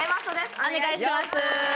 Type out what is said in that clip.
お願いします。